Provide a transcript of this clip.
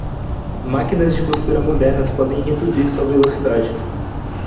Máquinas de costura modernas podem reduzir sua velocidade.